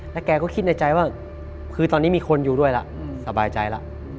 แกก็คิดในใจว่าคือตอนนี้มีคนอยู่ด้วยแล้วสบายใจแล้ว